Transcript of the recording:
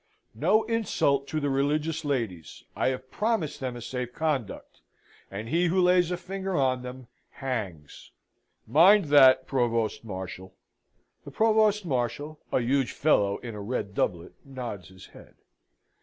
No insult to the religious ladies! I have promised them a safe conduct, and he who lays a finger on them, hangs! Mind that Provost Marshal!" The Provost Marshal, a huge fellow in a red doublet, nods his head.